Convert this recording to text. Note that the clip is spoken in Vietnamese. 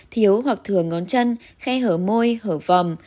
thiếu hoặc thừa ngón chân khe hở môi hở vòng